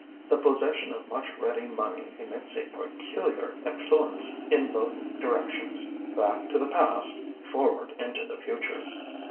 The possession of much ready money emits a peculiar effluence in both directions back to the past, forward into the future.